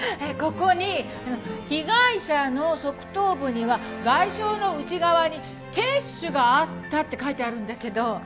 ここに被害者の側頭部には外傷の内側に血腫があったって書いてあるんだけど。